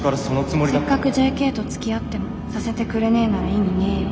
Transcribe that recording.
「『せっかくＪＫとつきあってもさせてくれねえなら意味ねえよ』。